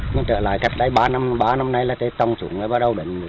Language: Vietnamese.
nhưng trở lại cách đây ba năm ba năm nay là trồng trùng là bắt đầu bệnh